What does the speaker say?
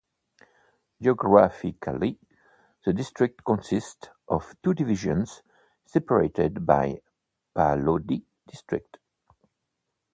Geographically, the district consists of two divisions separated by Palauli district.